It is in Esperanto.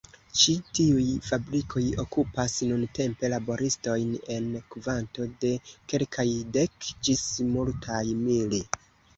Ĉi tiuj fabrikoj okupas nuntempe laboristojn en kvanto de kelkaj dek ĝis multaj mil.